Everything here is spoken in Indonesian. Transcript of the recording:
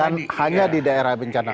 dan hanya di daerah yang bencana